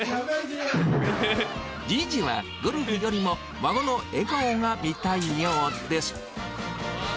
じいじは、ゴルフよりも、孫の笑顔が見たいようです。